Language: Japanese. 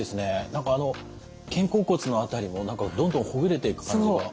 何かあの肩甲骨の辺りも何かどんどんほぐれていく感じが。